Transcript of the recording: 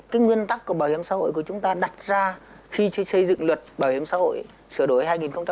cái nguyên tắc của bảo hiểm xã hội của chúng ta đặt ra khi xây dựng luật bảo hiểm xã hội sửa đổi hai nghìn một mươi bốn